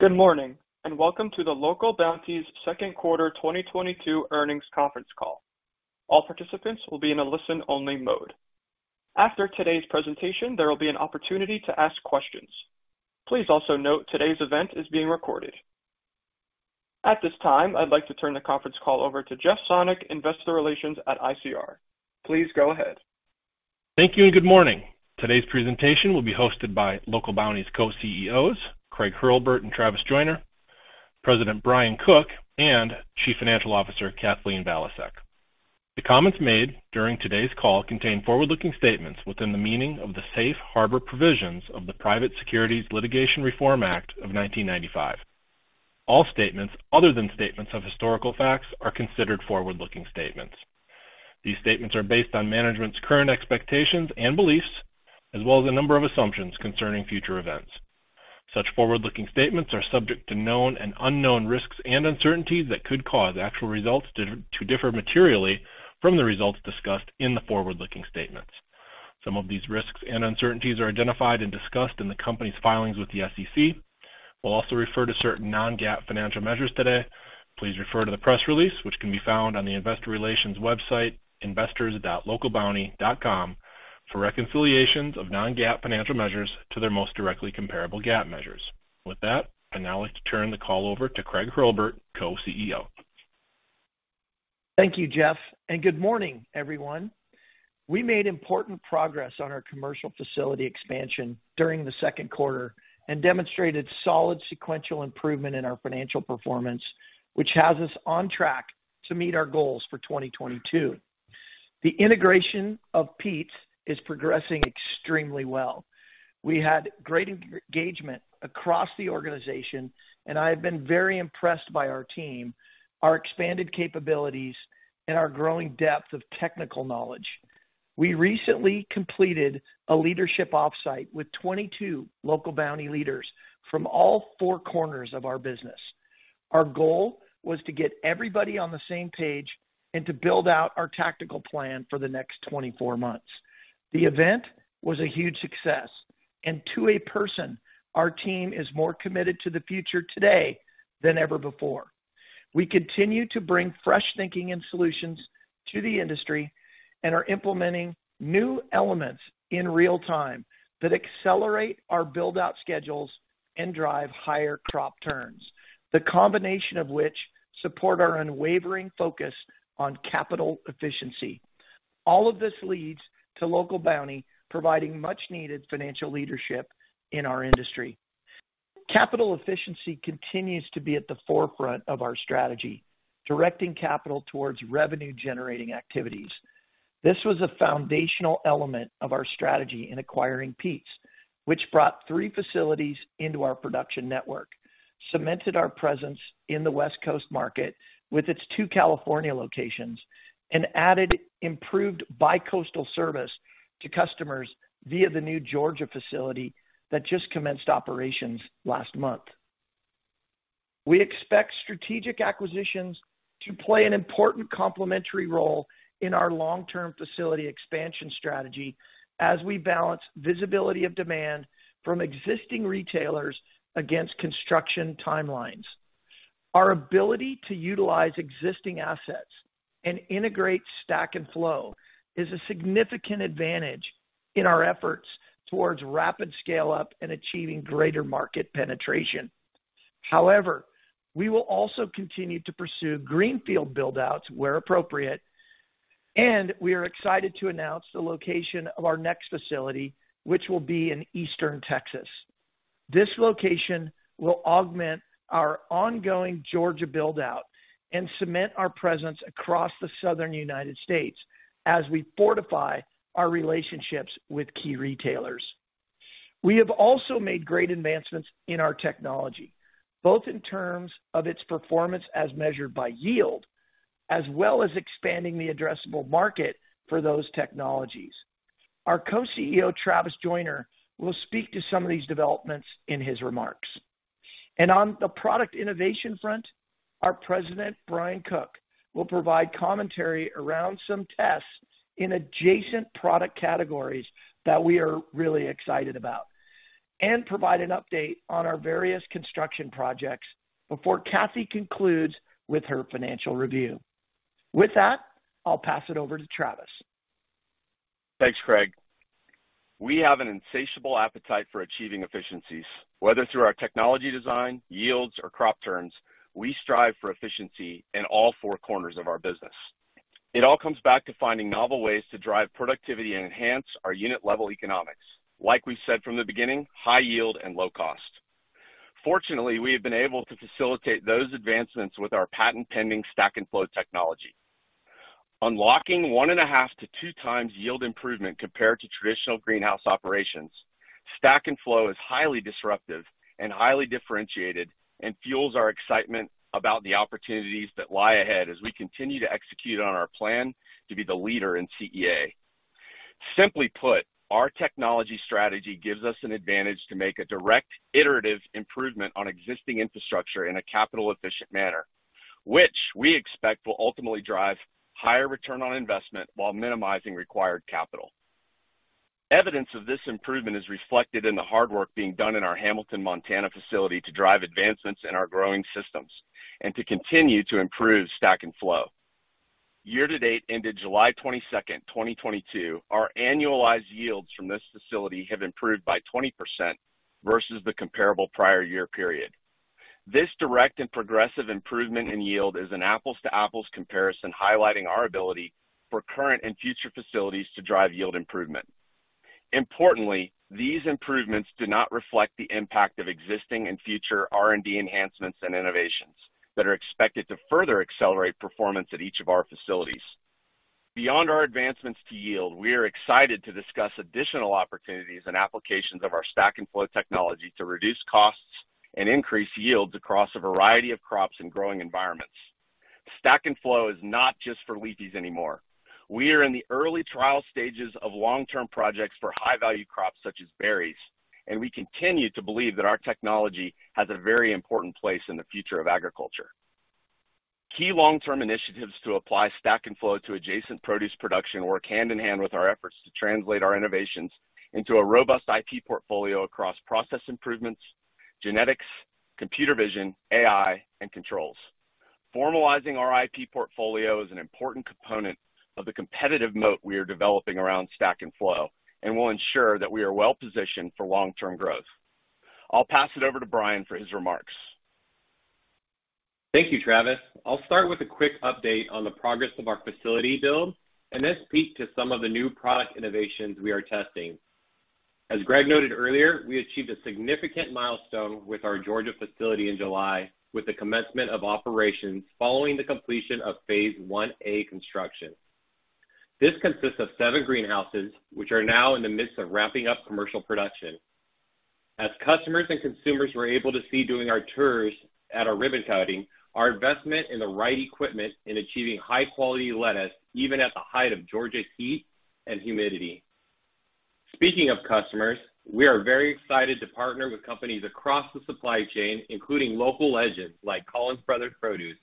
Good morning, and welcome to the Local Bounti second quarter 2022 earnings conference call. All participants will be in a listen-only mode. After today's presentation, there will be an opportunity to ask questions. Please also note today's event is being recorded. At this time, I'd like to turn the conference call over to Jeff Sonnek, Investor Relations at ICR. Please go ahead. Thank you and good morning. Today's presentation will be hosted by Local Bounti's co-CEOs, Craig Hurlbert and Travis Joiner, President Brian Cook, and Chief Financial Officer, Kathleen Valiasek. The comments made during today's call contain forward-looking statements within the meaning of the Safe Harbor Provisions of the Private Securities Litigation Reform Act of 1995. All statements other than statements of historical facts are considered forward-looking statements. These statements are based on management's current expectations and beliefs, as well as a number of assumptions concerning future events. Such forward-looking statements are subject to known and unknown risks and uncertainties that could cause actual results to differ materially from the results discussed in the forward-looking statements. Some of these risks and uncertainties are identified and discussed in the company's filings with the SEC. We'll also refer to certain non-GAAP financial measures today. Please refer to the press release, which can be found on the Investor Relations website, investors.localbounti.com, for reconciliations of non-GAAP financial measures to their most directly comparable GAAP measures. With that, I'd now like to turn the call over to Craig Hurlbert, co-CEO. Thank you, Jeff, and good morning, everyone. We made important progress on our commercial facility expansion during the second quarter and demonstrated solid sequential improvement in our financial performance, which has us on track to meet our goals for 2022. The integration of Pete's is progressing extremely well. We had great engagement across the organization, and I have been very impressed by our team, our expanded capabilities, and our growing depth of technical knowledge. We recently completed a leadership offsite with 22 Local Bounti leaders from all four corners of our business. Our goal was to get everybody on the same page and to build out our tactical plan for the next 24 months. The event was a huge success, and to a person, our team is more committed to the future today than ever before. We continue to bring fresh thinking and solutions to the industry and are implementing new elements in real time that accelerate our build-out schedules and drive higher crop turns, the combination of which support our unwavering focus on capital efficiency. All of this leads to Local Bounti providing much needed financial leadership in our industry. Capital efficiency continues to be at the forefront of our strategy, directing capital towards revenue-generating activities. This was a foundational element of our strategy in acquiring Pete's, which brought three facilities into our production network, cemented our presence in the West Coast market with its two California locations, and added improved bi-coastal service to customers via the new Georgia facility that just commenced operations last month. We expect strategic acquisitions to play an important complementary role in our long-term facility expansion strategy as we balance visibility of demand from existing retailers against construction timelines. Our ability to utilize existing assets and integrate Stack & Flow is a significant advantage in our efforts towards rapid scale up and achieving greater market penetration. However, we will also continue to pursue greenfield build-outs where appropriate, and we are excited to announce the location of our next facility, which will be in Eastern Texas. This location will augment our ongoing Georgia build-out and cement our presence across the Southern United States as we fortify our relationships with key retailers. We have also made great advancements in our technology, both in terms of its performance as measured by yield, as well as expanding the addressable market for those technologies. Our Co-CEO, Travis Joiner, will speak to some of these developments in his remarks. On the product innovation front, our President, Brian Cook, will provide commentary around some tests in adjacent product categories that we are really excited about and provide an update on our various construction projects before Kathy concludes with her financial review. With that, I'll pass it over to Travis. Thanks, Craig. We have an insatiable appetite for achieving efficiencies. Whether through our technology design, yields, or crop turns, we strive for efficiency in all four corners of our business. It all comes back to finding novel ways to drive productivity and enhance our unit level economics. Like we said from the beginning, high yield and low cost. Fortunately, we have been able to facilitate those advancements with our patent-pending Stack & Flow Technology. Unlocking 1.5-2 times yield improvement compared to traditional greenhouse operations, Stack & Flow Technology is highly disruptive and highly differentiated and fuels our excitement about the opportunities that lie ahead as we continue to execute on our plan to be the leader in CEA. Simply put, our technology strategy gives us an advantage to make a direct iterative improvement on existing infrastructure in a capital efficient manner, which we expect will ultimately drive higher return on investment while minimizing required capital. Evidence of this improvement is reflected in the hard work being done in our Hamilton, Montana facility to drive advancements in our growing systems and to continue to improve Stack & Flow. Year-to-date, ended July 22, 2022, our annualized yields from this facility have improved by 20% versus the comparable prior year period. This direct and progressive improvement in yield is an apples to apples comparison, highlighting our ability for current and future facilities to drive yield improvement. Importantly, these improvements do not reflect the impact of existing and future R&D enhancements and innovations that are expected to further accelerate performance at each of our facilities. Beyond our advancements to yield, we are excited to discuss additional opportunities and applications of our Stack & Flow Technology to reduce costs and increase yields across a variety of crops and growing environments. Stack & Flow is not just for leafies anymore. We are in the early trial stages of long-term projects for high-value crops such as berries, and we continue to believe that our technology has a very important place in the future of agriculture. Key long-term initiatives to apply Stack & Flow to adjacent produce production work hand in hand with our efforts to translate our innovations into a robust IP portfolio across process improvements, genetics, computer vision, AI, and controls. Formalizing our IP portfolio is an important component of the competitive moat we are developing around Stack & Flow and will ensure that we are well positioned for long-term growth. I'll pass it over to Brian for his remarks. Thank you, Travis. I'll start with a quick update on the progress of our facility build and then speak to some of the new product innovations we are testing. As Craig noted earlier, we achieved a significant milestone with our Georgia facility in July with the commencement of operations following the completion of Phase 1A construction. This consists of seven greenhouses which are now in the midst of ramping up commercial production. As customers and consumers were able to see during our tours at our ribbon cutting, our investment in the right equipment in achieving high-quality lettuce even at the height of Georgia's heat and humidity. Speaking of customers, we are very excited to partner with companies across the supply chain, including local legends like Collins Brothers Produce,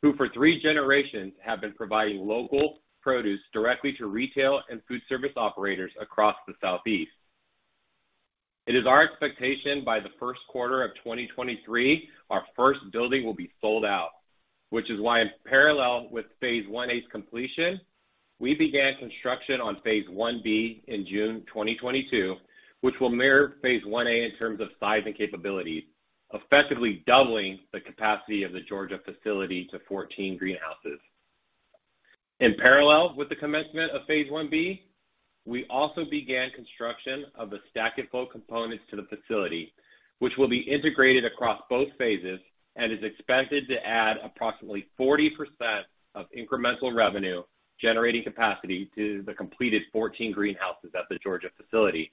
who for three generations have been providing local produce directly to retail and food service operators across the Southeast. It is our expectation by the first quarter of 2023, our first building will be sold out. Which is why in parallel with phase 1A's completion, we began construction on phase 1B in June 2022, which will mirror phase 1A in terms of size and capability, effectively doubling the capacity of the Georgia facility to 14 greenhouses. In parallel with the commencement of phase 1B, we also began construction of the Stack & Flow components to the facility which will be integrated across both phases and is expected to add approximately 40% of incremental revenue generating capacity to the completed 14 greenhouses at the Georgia facility.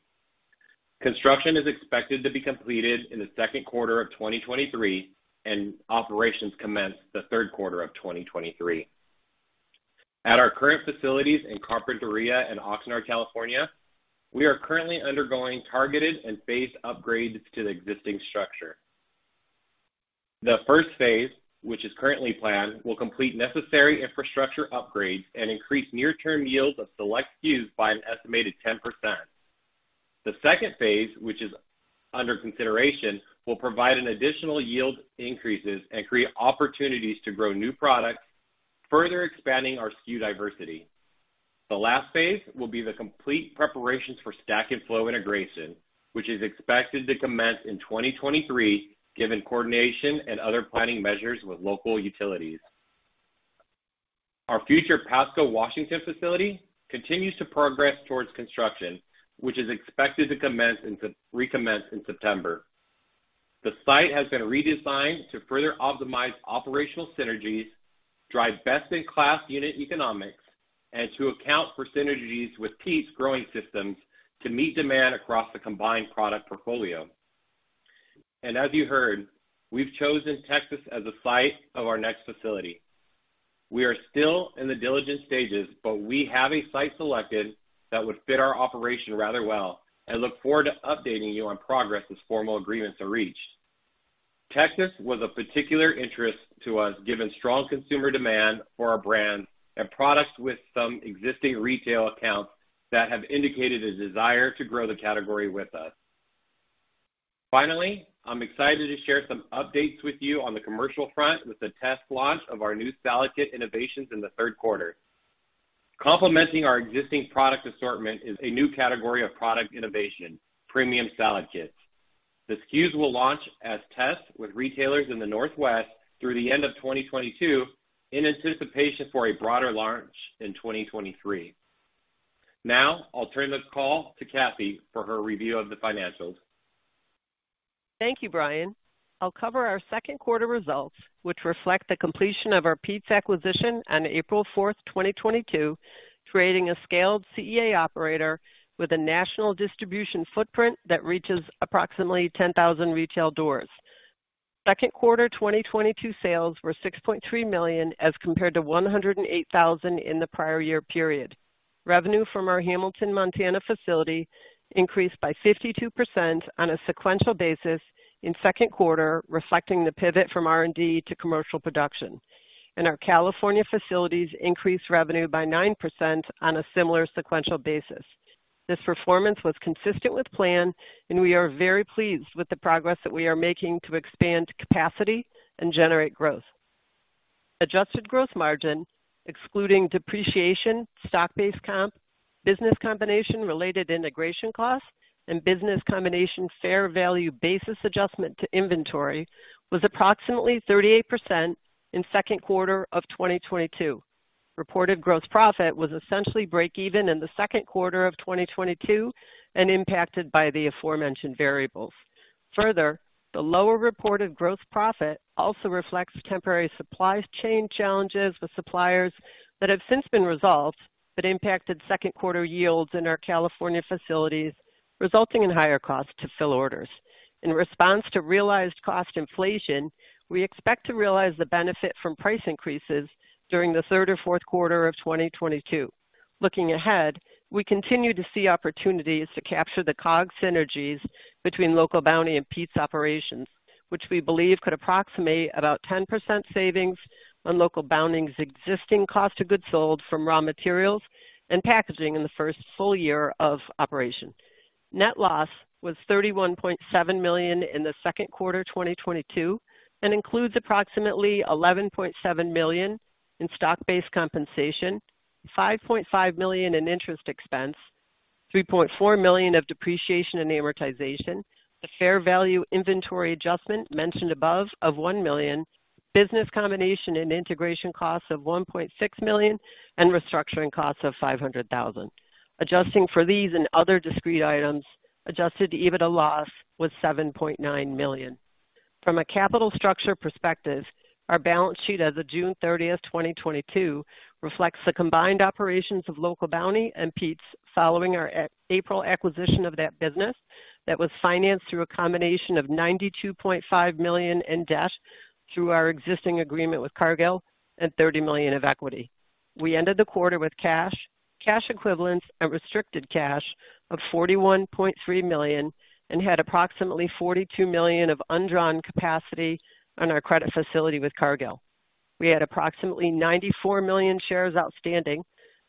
Construction is expected to be completed in the second quarter of 2023, and operations commence the third quarter of 2023. At our current facilities in Carpinteria and Oxnard, California, we are currently undergoing targeted and phased upgrades to the existing structure. The first phase, which is currently planned, will complete necessary infrastructure upgrades and increase near-term yields of select SKUs by an estimated 10%. The second phase, which is under consideration, will provide an additional yield increases and create opportunities to grow new products, further expanding our SKU diversity. The last phase will be the complete preparations for Stack & Flow integration, which is expected to commence in 2023, given coordination and other planning measures with local utilities. Our future Pasco, Washington facility continues to progress towards construction, which is expected to commence in September. The site has been redesigned to further optimize operational synergies, drive best-in-class unit economics, and to account for synergies with Pete's to meet demand across the combined product portfolio. As you heard, we've chosen Texas as the site of our next facility. We are still in the diligence stages, but we have a site selected that would fit our operation rather well and look forward to updating you on progress as formal agreements are reached. Texas was a particular interest to us given strong consumer demand for our brands and products with some existing retail accounts that have indicated a desire to grow the category with us. Finally, I'm excited to share some updates with you on the commercial front, with the test launch of our new salad kit innovations in the third quarter. Complementing our existing product assortment is a new category of product innovation, premium salad kits. The SKUs will launch as tests with retailers in the Northwest through the end of 2022 in anticipation for a broader launch in 2023. Now I'll turn this call to Kathy for her review of the financials. Thank you, Brian. I'll cover our second quarter results, which reflect the completion of our Pete's acquisition on April fourth, 2022, creating a scaled CEA operator with a national distribution footprint that reaches approximately 10,000 retail doors. Second quarter 2022 sales were $6.3 million as compared to $108 thousand in the prior year period. Revenue from our Hamilton, Montana facility increased by 52% on a sequential basis in second quarter, reflecting the pivot from R&D to commercial production. Our California facilities increased revenue by 9% on a similar sequential basis. This performance was consistent with plan, and we are very pleased with the progress that we are making to expand capacity and generate growth. Adjusted gross margin excluding depreciation, stock-based comp, business combination related integration costs, and business combination fair value basis adjustment to inventory was approximately 38% in second quarter of 2022. Reported gross profit was essentially breakeven in the second quarter of 2022 and impacted by the aforementioned variables. Further, the lower reported gross profit also reflects temporary supply chain challenges with suppliers that have since been resolved but impacted second quarter yields in our California facilities, resulting in higher costs to fill orders. In response to realized cost inflation, we expect to realize the benefit from price increases during the third or fourth quarter of 2022. Looking ahead, we continue to see opportunities to capture the COGS synergies between Local Bounti and Pete's operations, which we believe could approximate about 10% savings on Local Bounti's existing cost of goods sold from raw materials and packaging in the first full year of operation. Net loss was $31.7 million in the second quarter 2022, and includes approximately $11.7 million in stock-based compensation, $5.5 million in interest expense, $3.4 million of depreciation and amortization. The fair value inventory adjustment mentioned above of $1 million, business combination and integration costs of $1.6 million, and restructuring costs of $500,000. Adjusting for these and other discrete items, adjusted EBITDA loss was $7.9 million. From a capital structure perspective, our balance sheet as of June 30, 2022, reflects the combined operations of Local Bounti and Pete's following our April acquisition of that business that was financed through a combination of $92.5 million in debt through our existing agreement with Cargill and $30 million of equity. We ended the quarter with cash equivalents, and restricted cash of $41.3 million and had approximately $42 million of undrawn capacity on our credit facility with Cargill. We had approximately 94 million shares outstanding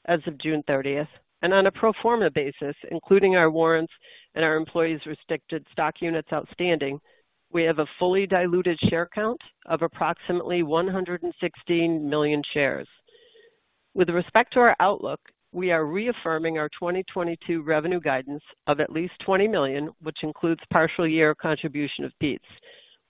as of June 30. On a pro forma basis, including our warrants and our employees restricted stock units outstanding, we have a fully diluted share count of approximately 116 million shares. With respect to our outlook, we are reaffirming our 2022 revenue guidance of at least $20 million, which includes partial year contribution of Pete's.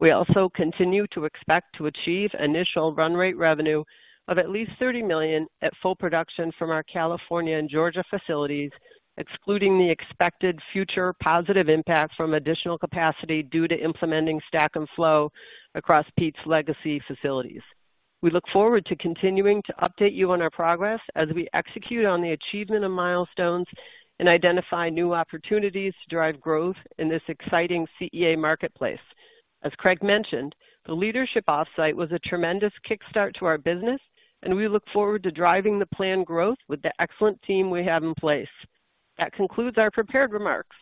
We also continue to expect to achieve initial run rate revenue of at least $30 million at full production from our California and Georgia facilities, excluding the expected future positive impact from additional capacity due to implementing Stack & Flow across Pete's legacy facilities. We look forward to continuing to update you on our progress as we execute on the achievement of milestones and identify new opportunities to drive growth in this exciting CEA marketplace. As Craig mentioned, the leadership offsite was a tremendous kickstart to our business, and we look forward to driving the planned growth with the excellent team we have in place. That concludes our prepared remarks.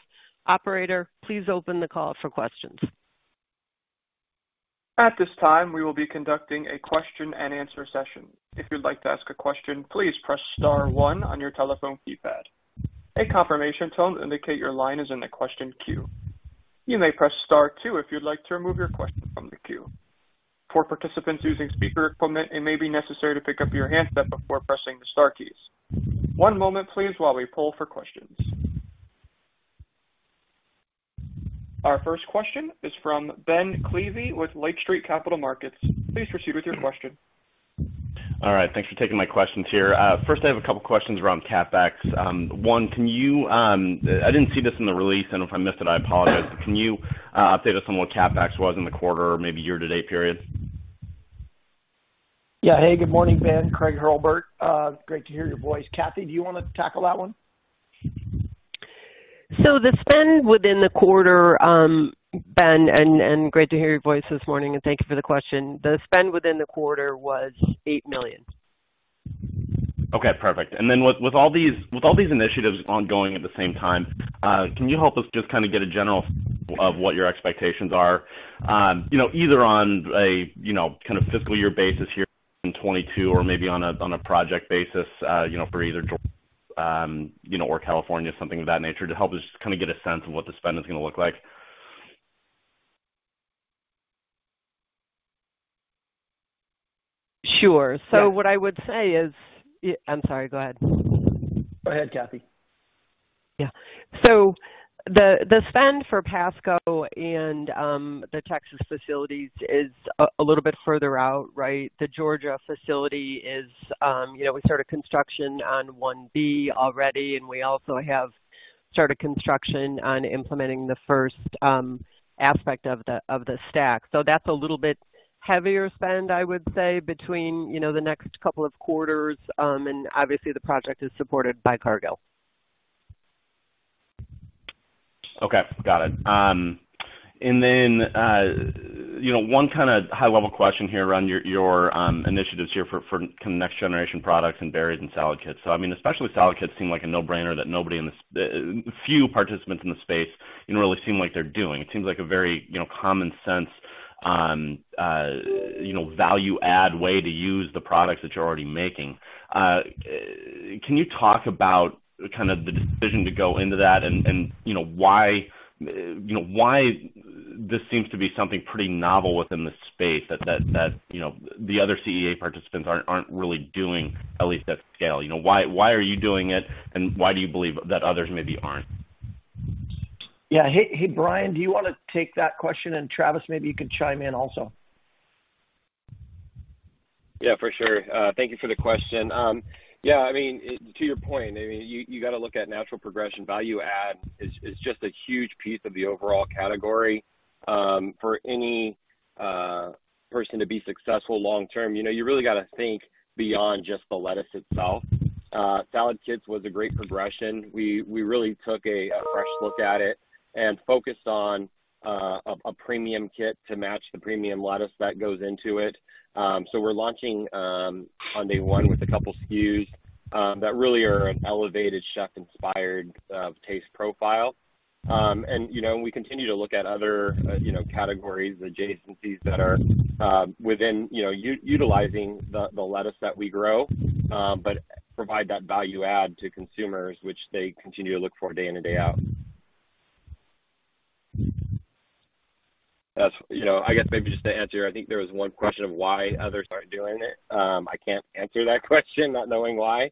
Operator, please open the call for questions. At this time, we will be conducting a question-and-answer session. If you'd like to ask a question, please press star one on your telephone keypad. A confirmation tone to indicate your line is in the question queue. You may press star two if you'd like to remove your question from the queue. For participants using speaker equipment, it may be necessary to pick up your handset before pressing the star keys. One moment please while we poll for questions. Our first question is from Ben Klieve with Lake Street Capital Markets. Please proceed with your question. All right. Thanks for taking my questions here. First, I have a couple of questions around CapEx. I didn't see this in the release, and if I missed it, I apologize. Can you update us on what CapEx was in the quarter or maybe year-to-date period? Yeah. Hey, good morning, Ben. Craig Hurlbert. Great to hear your voice. Kathy, do you wanna tackle that one? The spend within the quarter, Ben, and great to hear your voice this morning, and thank you for the question. The spend within the quarter was $8 million. Okay, perfect. With all these initiatives ongoing at the same time, can you help us just kinda get a general idea of what your expectations are, you know, either on a you know kind of fiscal year basis here in 2022 or maybe on a project basis, you know, for either or California, something of that nature, to help us kind of get a sense of what the spend is gonna look like. Sure. Yeah. Yeah. I'm sorry. Go ahead, Kathy. Yeah. The spend for Pasco and the Texas facilities is a little bit further out, right? The Georgia facility is, you know, we started construction on one B already, and we also have started construction on implementing the first aspect of the stack. That's a little bit heavier spend, I would say, between, you know, the next couple of quarters. Obviously the project is supported by Cargill. Okay, got it. You know, one kind of high level question here around your initiatives here for kind of next generation products and berries and salad kits. I mean, especially salad kits seem like a no-brainer that nobody in this few participants in the space, you know, really seem like they're doing. It seems like a very, you know, common sense value add way to use the products that you're already making. Can you talk about kind of the decision to go into that and you know why this seems to be something pretty novel within the space that the other CEA participants aren't really doing at least at scale. You know, why are you doing it, and why do you believe that others maybe aren't? Yeah. Hey, hey, Brian, do you wanna take that question? Travis, maybe you could chime in also. Yeah, for sure. Thank you for the question. Yeah, I mean, to your point, I mean, you gotta look at natural progression. Value add is just a huge piece of the overall category. For any person to be successful long term, you know, you really gotta think beyond just the lettuce itself. Salad kits was a great progression. We really took a fresh look at it and focused on a premium kit to match the premium lettuce that goes into it. So we're launching on day one with a couple SKUs that really are an elevated chef inspired taste profile. You know, we continue to look at other, you know, categories, adjacencies that are within, you know, utilizing the lettuce that we grow, but provide that value add to consumers, which they continue to look for day in and day out. That's, you know, I guess maybe just to answer, I think there was one question of why others aren't doing it. I can't answer that question, not knowing why.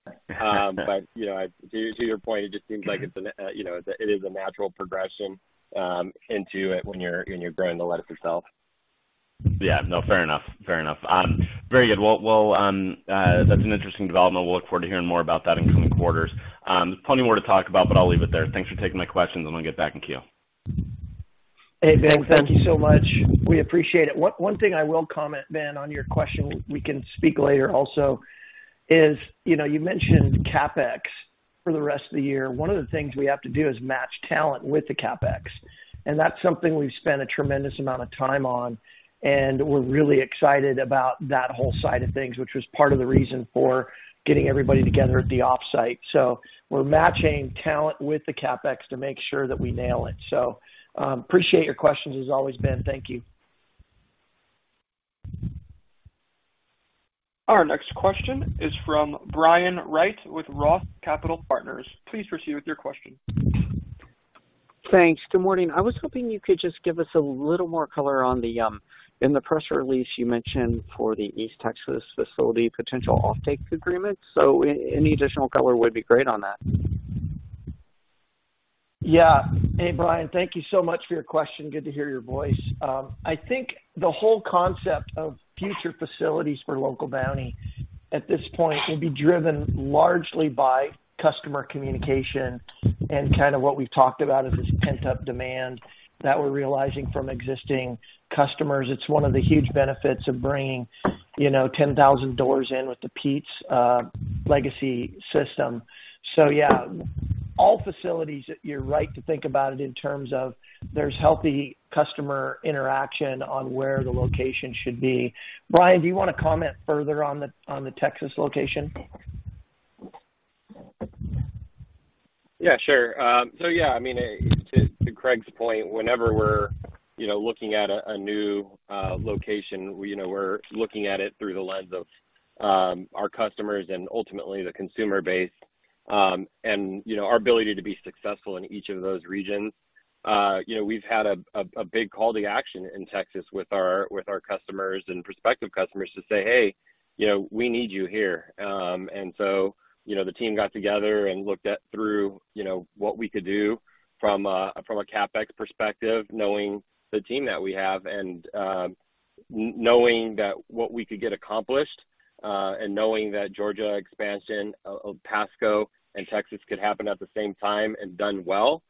You know, to your point, it just seems like it's an, you know, it is a natural progression into it when you're growing the lettuce itself. Yeah. No, fair enough. Fair enough. Very good. Well, that's an interesting development. We'll look forward to hearing more about that in coming quarters. Plenty more to talk about, but I'll leave it there. Thanks for taking my questions, and I'm gonna get back in queue. Hey, Ben, thank you so much. We appreciate it. One thing I will comment, Ben, on your question, we can speak later also, is, you know, you mentioned CapEx for the rest of the year. One of the things we have to do is match talent with the CapEx, and that's something we've spent a tremendous amount of time on, and we're really excited about that whole side of things, which was part of the reason for getting everybody together at the offsite. We're matching talent with the CapEx to make sure that we nail it. Appreciate your questions as always, Ben. Thank you. Our next question is from Brian Wright with ROTH Capital Partners. Please proceed with your question. Thanks. Good morning. I was hoping you could just give us a little more color on the, in the press release you mentioned for the East Texas facility potential offtake agreement, so any additional color would be great on that. Yeah. Hey, Brian. Thank you so much for your question. Good to hear your voice. I think the whole concept of future facilities for Local Bounti at this point will be driven largely by customer communication and kind of what we've talked about is this pent-up demand that we're realizing from existing customers. It's one of the huge benefits of bringing, you know, 10,000 doors in with the Pete's legacy system. Yeah, all facilities, you're right to think about it in terms of there's healthy customer interaction on where the location should be. Brian, do you wanna comment further on the Texas location? Yeah, sure. Yeah, I mean, to Craig's point, whenever we're you know looking at a new location, you know, we're looking at it through the lens of our customers and ultimately the consumer base, and you know our ability to be successful in each of those regions. You know, we've had a big call to action in Texas with our customers and prospective customers to say, "Hey, you know, we need you here." You know, the team got together and looked through what we could do from a CapEx perspective, knowing the team that we have and knowing what we could get accomplished, and knowing that Georgia expansion of Pasco and Texas could happen at the same time and done well,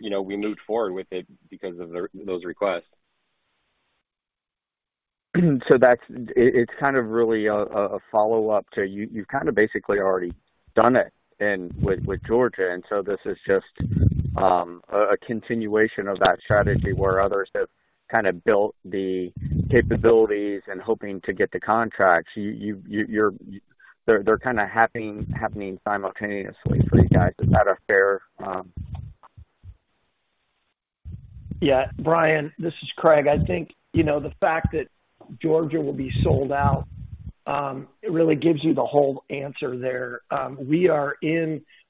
you know, we moved forward with it because of their those requests. That's it. It's kind of really a follow-up to you. You've kind of basically already done it in with Georgia, and this is just a continuation of that strategy where others have kind of built the capabilities and hoping to get the contracts. They're kind of happening simultaneously for you guys. Is that a fair? Yeah. Brian, this is Craig. I think, you know, the fact that Georgia will be sold out, it really gives you the whole answer there.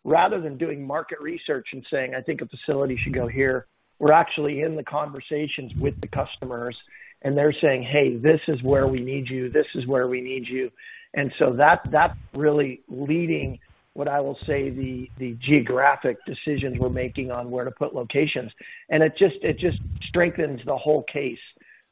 Rather than doing market research and saying, "I think a facility should go here," we're actually in the conversations with the customers, and they're saying, "Hey, this is where we need you. This is where we need you." That, that's really leading what I will say the geographic decisions we're making on where to put locations. It just strengthens the whole case.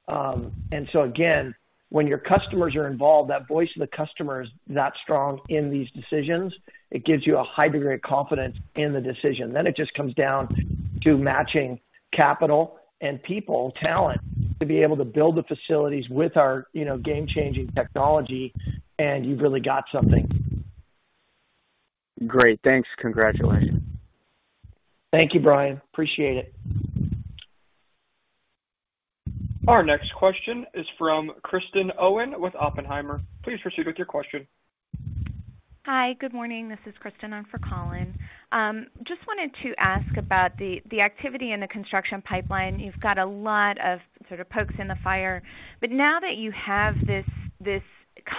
Again, when your customers are involved, that voice of the customer is that strong in these decisions, it gives you a high degree of confidence in the decision. It just comes down to matching capital and people, talent, to be able to build the facilities with our, you know, game changing technology, and you've really got something. Great. Thanks. Congratulations. Thank you, Brian. Appreciate it. Our next question is from Kristen Owen with Oppenheimer. Please proceed with your question. Hi, good morning. This is Kristen on for Colin. Just wanted to ask about the activity in the construction pipeline. You've got a lot of sort of pokes in the fire, but now that you have this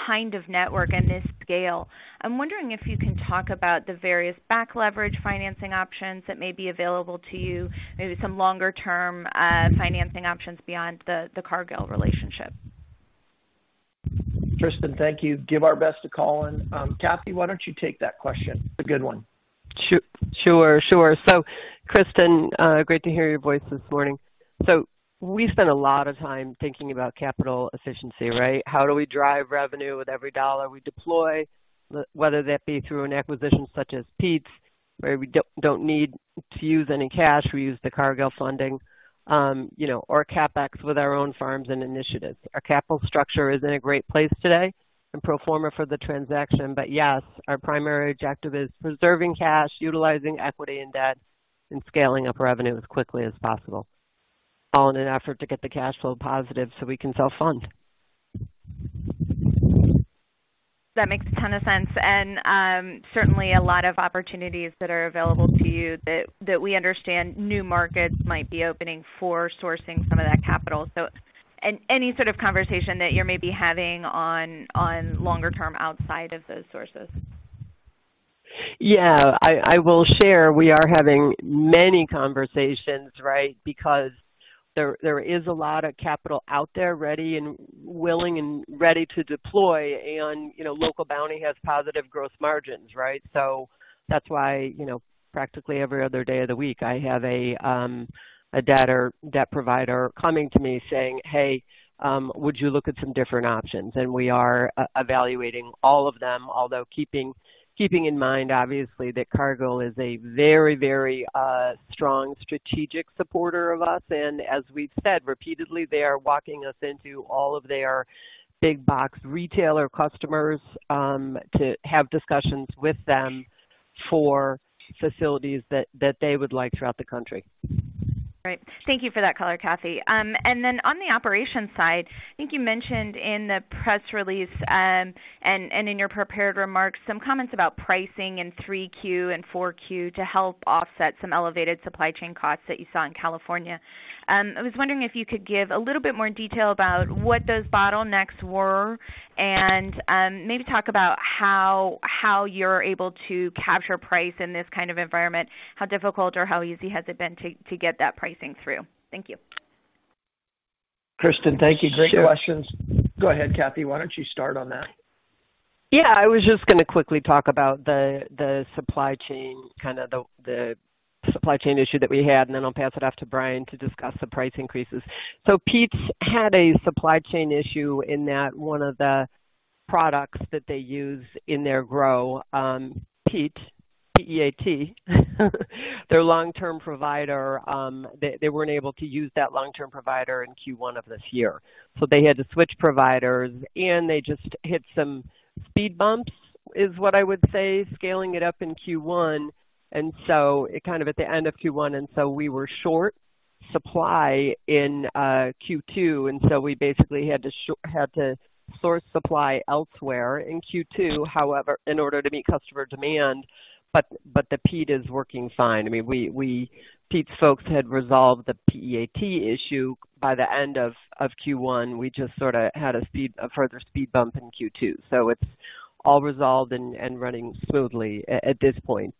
kind of network and this scale, I'm wondering if you can talk about the various back leverage financing options that may be available to you, maybe some longer-term financing options beyond the Cargill relationship. Kristen, thank you. Give our best to Colin. Kathy, why don't you take that question? It's a good one. Sure, sure. Kristen, great to hear your voice this morning. We spend a lot of time thinking about capital efficiency, right? How do we drive revenue with every dollar we deploy, whether that be through an acquisition such as Pete's, where we don't need to use any cash, we use the Cargill funding, you know, or CapEx with our own farms and initiatives. Our capital structure is in a great place today and pro forma for the transaction. Yes, our primary objective is preserving cash, utilizing equity and debt, and scaling up revenue as quickly as possible, all in an effort to get the cash flow positive so we can self-fund. That makes a ton of sense and, certainly a lot of opportunities that are available to you that we understand new markets might be opening for sourcing some of that capital. Any sort of conversation that you're maybe having on longer term outside of those sources? Yeah, I will share. We are having many conversations, right? Because there is a lot of capital out there ready and willing and ready to deploy. You know, Local Bounti has positive gross margins, right? That's why, you know, practically every other day of the week, I have a debt provider coming to me saying, "Hey, would you look at some different options?" We are evaluating all of them. Although keeping in mind, obviously, that Cargill is a very, very strong strategic supporter of us. As we've said repeatedly, they are walking us into all of their big box retailer customers to have discussions with them for facilities that they would like throughout the country. Great. Thank you for that color, Kathy. On the operations side, I think you mentioned in the press release, and in your prepared remarks, some comments about pricing in 3Q and 4Q to help offset some elevated supply chain costs that you saw in California. I was wondering if you could give a little bit more detail about what those bottlenecks were and, maybe talk about how you're able to capture price in this kind of environment, how difficult or how easy has it been to get that pricing through? Thank you. Kristen, thank you. Great questions. Go ahead, Kathy. Why don't you start on that? Yeah, I was just gonna quickly talk about the supply chain issue that we had, and then I'll pass it off to Brian to discuss the price increases. Pete's had a supply chain issue in that one of the products that they use in their grow, peat, P-E-A-T, their long-term provider, they weren't able to use that long-term provider in Q1 of this year, so they had to switch providers and they just hit some speed bumps, is what I would say, scaling it up in Q1. Kind of at the end of Q1, we were short supply in Q2, so we basically had to source supply elsewhere in Q2. However, in order to meet customer demand, but the peat is working fine. I mean, Pete's folks had resolved the peat issue by the end of Q1. We just sorta had a further speed bump in Q2. It's all resolved and running smoothly at this point.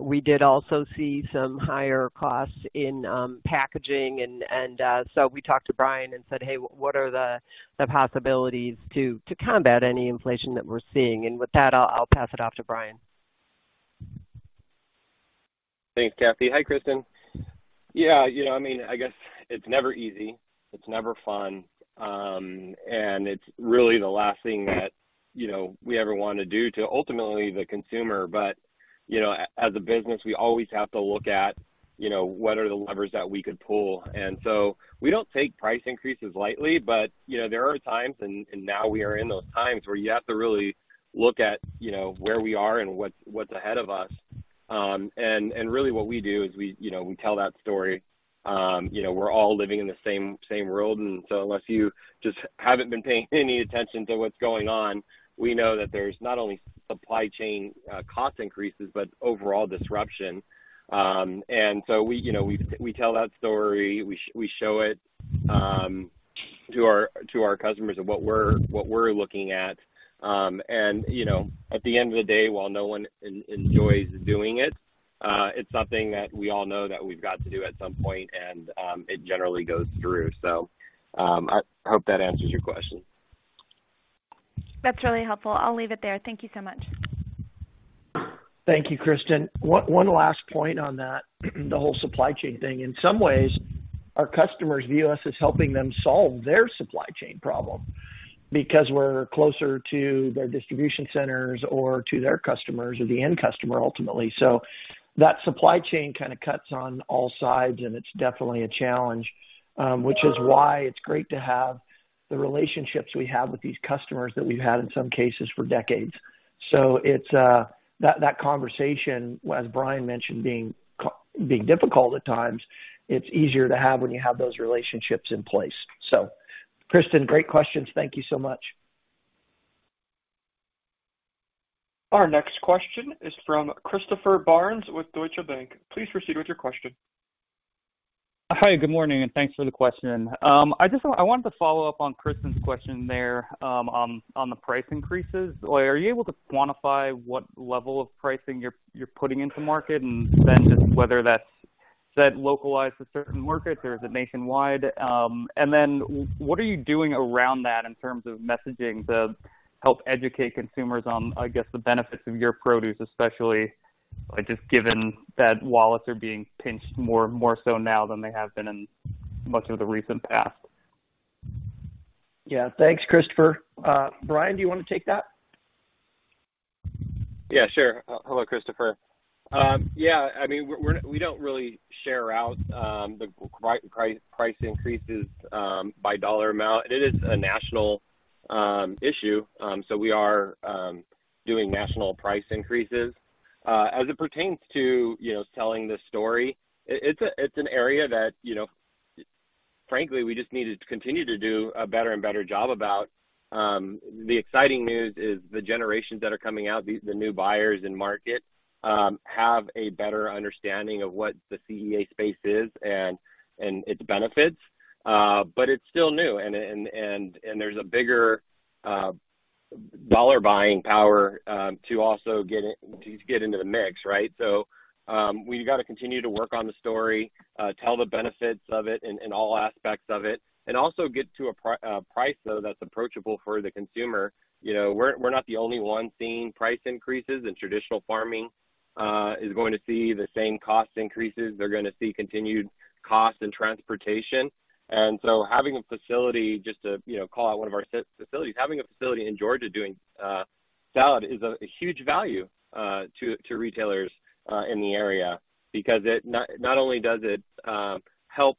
We did also see some higher costs in packaging and so we talked to Brian and said, "Hey, what are the possibilities to combat any inflation that we're seeing?" With that, I'll pass it off to Brian. Thanks, Kathy. Hi, Kristen. Yeah, you know, I mean, I guess it's never easy, it's never fun, and it's really the last thing that, you know, we ever wanna do to ultimately the consumer. As a business, we always have to look at, you know, what are the levers that we could pull. We don't take price increases lightly. You know, there are times, and now we are in those times, where you have to really look at, you know, where we are and what's ahead of us. Really what we do is we, you know, we tell that story. You know, we're all living in the same world, and so unless you just haven't been paying any attention to what's going on, we know that there's not only supply chain cost increases, but overall disruption. We, you know, we tell that story. We show it to our customers of what we're looking at. You know, at the end of the day, while no one enjoys doing it's something that we all know that we've got to do at some point, and it generally goes through. I hope that answers your question. That's really helpful. I'll leave it there. Thank you so much. Thank you, Kristen. One last point on that, the whole supply chain thing. In some ways, our customers view us as helping them solve their supply chain problem because we're closer to their distribution centers or to their customers or the end customer ultimately. That supply chain kind of cuts on all sides, and it's definitely a challenge, which is why it's great to have the relationships we have with these customers that we've had in some cases for decades. It's that conversation, as Brian mentioned, being difficult at times. It's easier to have when you have those relationships in place. Kristen, great questions. Thank you so much. Our next question is from Chris Carey with Wells Fargo. Please proceed with your question. Hi, good morning, and thanks for the question. I wanted to follow up on Kristen's question there, on the price increases. Are you able to quantify what level of pricing you're putting into market and then just whether that's localized to certain markets or is it nationwide? What are you doing around that in terms of messaging to help educate consumers on, I guess, the benefits of your produce, especially, like, just given that wallets are being pinched more so now than they have been in much of the recent past? Yeah. Thanks, Chris. Brian, do you want to take that? Yeah, sure. Hello, Chris. Yeah, I mean, we don't really share out the price increases by dollar amount. It is a national issue, so we are doing national price increases. As it pertains to, you know, telling the story, it's an area that, you know, frankly, we just need to continue to do a better and better job about. The exciting news is the generations that are coming out, the new buyers in market have a better understanding of what the CEA space is and its benefits. But it's still new and there's a bigger dollar buying power to also get into the mix, right? We gotta continue to work on the story, tell the benefits of it in all aspects of it, and also get to a price though that's approachable for the consumer. You know, we're not the only one seeing price increases, and traditional farming is going to see the same cost increases. They're gonna see continued cost in transportation. Having a facility just to call out one of our facilities, having a facility in Georgia doing salad is a huge value to retailers in the area because it not only does it help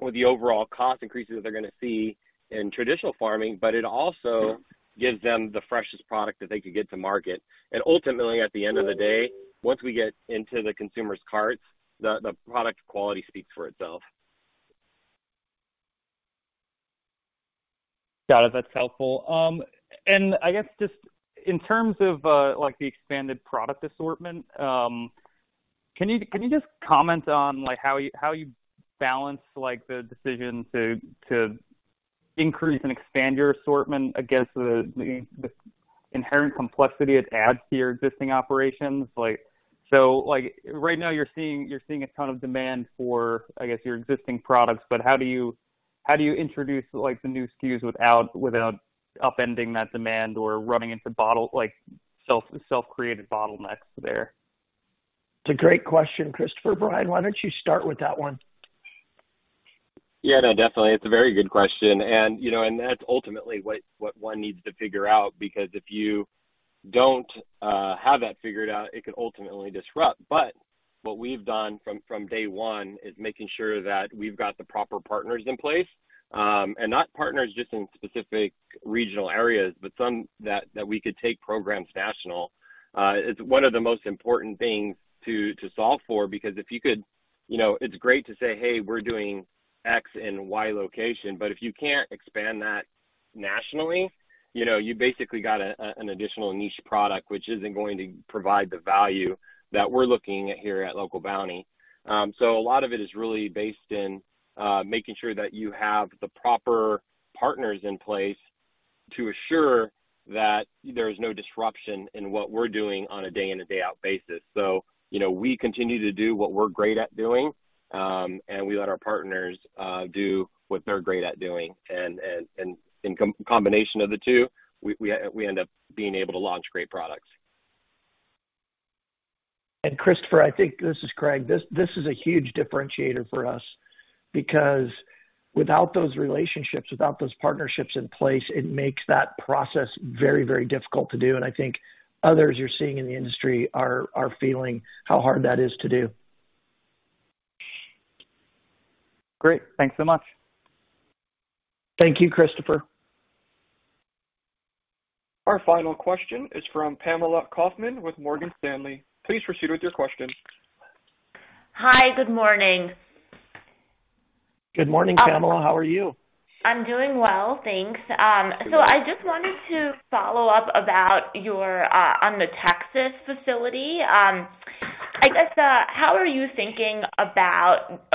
with the overall cost increases they're gonna see in traditional farming, but it also gives them the freshest product that they could get to market. Ultimately, at the end of the day, once we get into the consumer's carts, the product quality speaks for itself. Got it. That's helpful. I guess just in terms of, like the expanded product assortment, can you just comment on, like, how you balance, like, the decision to increase and expand your assortment against the inherent complexity it adds to your existing operations? Like, so like right now you're seeing a ton of demand for, I guess, your existing products, but how do you introduce like the new SKUs without upending that demand or running into self-created bottlenecks there? It's a great question, Christopher. Brian, why don't you start with that one? Yeah, no, definitely. It's a very good question. You know, that's ultimately what one needs to figure out because if you don't have that figured out, it could ultimately disrupt. What we've done from day one is making sure that we've got the proper partners in place. Not partners just in specific regional areas, but some that we could take programs national. It's one of the most important things to solve for because if you could, you know, it's great to say, "Hey, we're doing X and Y location," but if you can't expand that nationally, you know, you basically got an additional niche product which isn't going to provide the value that we're looking at here at Local Bounti. A lot of it is really based in making sure that you have the proper partners in place to assure that there is no disruption in what we're doing on a day in and day out basis. You know, we continue to do what we're great at doing, and we let our partners do what they're great at doing. In combination of the two, we end up being able to launch great products. Christopher, I think this is Craig. This is a huge differentiator for us because without those relationships, without those partnerships in place, it makes that process very, very difficult to do. I think others you're seeing in the industry are feeling how hard that is to do. Great. Thanks so much. Thank you, Chris. Our final question is from Pamela Kaufman with Morgan Stanley. Please proceed with your question. Hi. Good morning. Good morning, Pamela. How are you? I'm doing well. Thanks. I just wanted to follow up about your own Texas facility. I guess how are you thinking about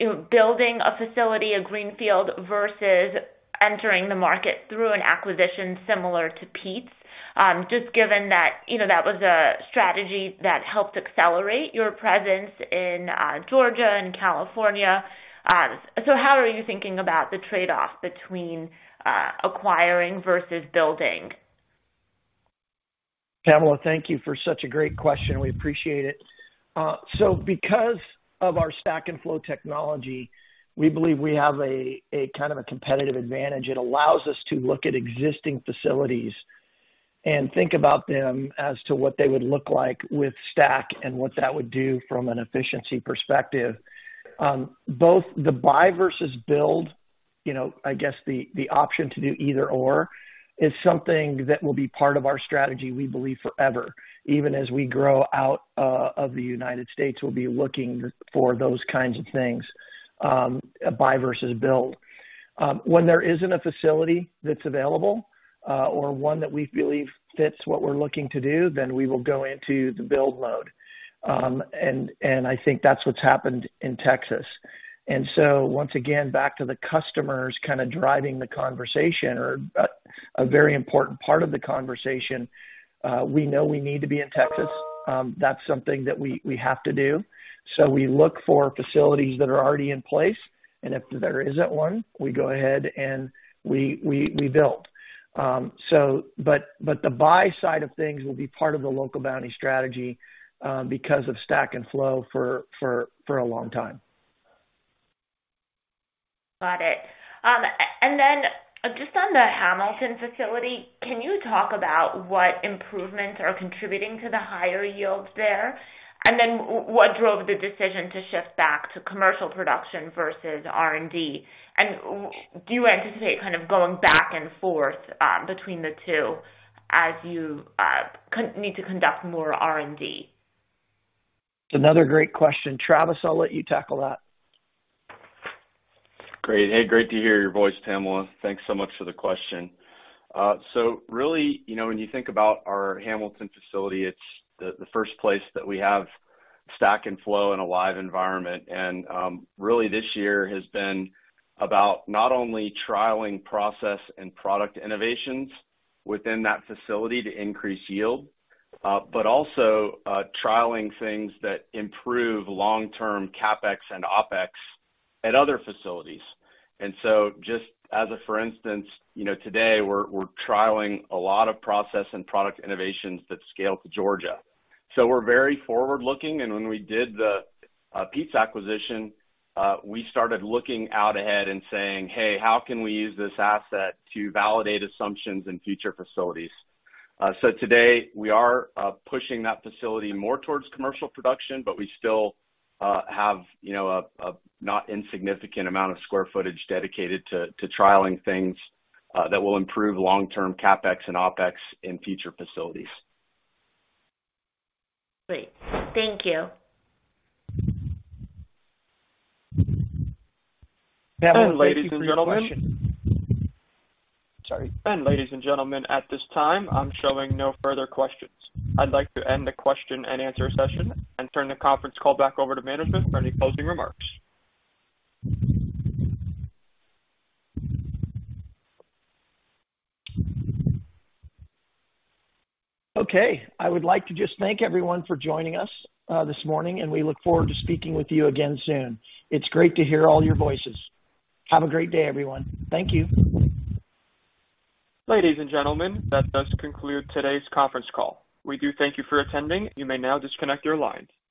you know building a facility, a greenfield, versus entering the market through an acquisition similar to Pete's? Just given that you know that was a strategy that helped accelerate your presence in Georgia and California. How are you thinking about the trade-off between acquiring versus building? Pamela, thank you for such a great question. We appreciate it. Because of our Stack & Flow Technology, we believe we have a kind of competitive advantage. It allows us to look at existing facilities and think about them as to what they would look like with Stack & Flow and what that would do from an efficiency perspective. Both the buy versus build, you know, I guess the option to do either/or is something that will be part of our strategy, we believe forever. Even as we grow out of the United States, we'll be looking for those kinds of things, buy versus build. When there isn't a facility that's available or one that we believe fits what we're looking to do, then we will go into the build mode. I think that's what's happened in Texas. Once again, back to the customers kind of driving the conversation or a very important part of the conversation, we know we need to be in Texas. That's something that we have to do. We look for facilities that are already in place, and if there isn't one, we go ahead and we build. But the buy side of things will be part of the Local Bounti strategy, because of Stack & Flow for a long time. Got it. Just on the Hamilton facility, can you talk about what improvements are contributing to the higher yields there? What drove the decision to shift back to commercial production versus R&D? Do you anticipate kind of going back and forth between the two as you need to conduct more R&D? It's another great question. Travis, I'll let you tackle that. Great. Hey, great to hear your voice, Pamela. Thanks so much for the question. Really, you know, when you think about our Hamilton facility, it's the first place that we have Stack & Flow in a live environment. Really this year has been about not only trialing process and product innovations within that facility to increase yield, but also trialing things that improve long-term CapEx and OpEx at other facilities. Just as a for instance, you know, today we're trialing a lot of process and product innovations that scale to Georgia. We're very forward-looking. When we did the Pete's acquisition, we started looking out ahead and saying, "Hey, how can we use this asset to validate assumptions in future facilities?" Today we are pushing that facility more towards commercial production, but we still have, you know, a not insignificant amount of square footage dedicated to trialing things that will improve long-term CapEx and OpEx in future facilities. Great. Thank you. Pamela, thank you for your question. Ladies and gentlemen, at this time, I'm showing no further questions. I'd like to end the question and answer session and turn the conference call back over to management for any closing remarks. Okay. I would like to just thank everyone for joining us this morning, and we look forward to speaking with you again soon. It's great to hear all your voices. Have a great day, everyone. Thank you. Ladies and gentlemen, that does conclude today's conference call. We do thank you for attending. You may now disconnect your lines.